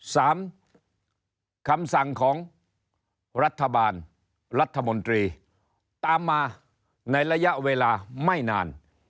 คำสั่งของรัฐบาลรัฐมนตรีตามมาในระยะเวลาไม่นาน